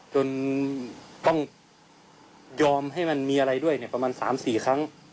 จนต้องยอมให้มันมีอะไรด้วยประมาณ๓๔ครั้ง